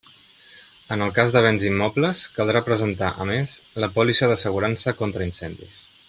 En el cas de béns immobles, caldrà presentar, a més, la pòlissa d'assegurança contra incendis.